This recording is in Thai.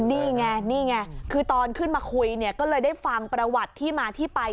นี่ไงนี่ไงคือตอนขึ้นมาคุยเนี่ยก็เลยได้ฟังประวัติที่มาที่ไป